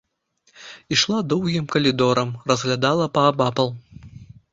Ішла доўгім калідорам, разглядала паабапал.